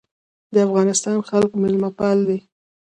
د افغانستان خلک میلمه پال دي